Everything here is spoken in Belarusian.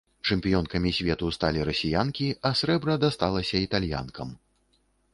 Чэмпіёнкамі свету сталі расіянкі, а срэбра дасталася італьянкам.